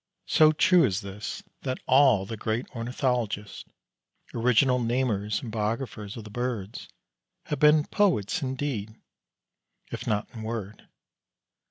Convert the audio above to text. So true is this, that all the great ornithologists original namers and biographers of the birds have been poets in deed if not in word.